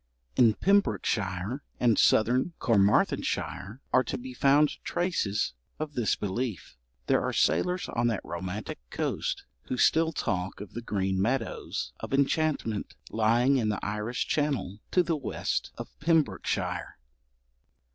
In Pembrokeshire and southern Carmarthenshire are to be found traces of this belief. There are sailors on that romantic coast who still talk of the green meadows of enchantment lying in the Irish channel to the west of Pembrokeshire.